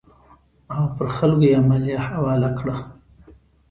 او پر خلکو یې مالیه حواله کړه.